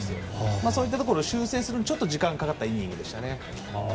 そういったところを修正するのに時間がかかったイニングでした。